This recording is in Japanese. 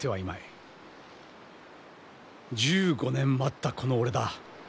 １５年待ったこの俺だ。